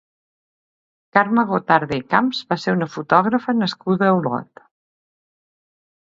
Carme Gotarde i Camps va ser una fotògrafa nascuda a Olot.